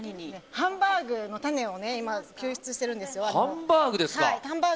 ハンバーグのタネを救出しているんです。